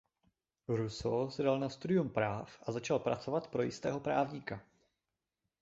Rousseau se dal na studium práv a začal pracovat pro jistého právníka.